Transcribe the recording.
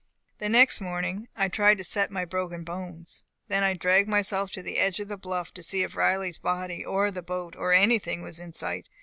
"The next morning I tried to set my broken bones. Then I dragged myself to the edge of the bluff to see if Riley's body, or the boat, or anything was in sight.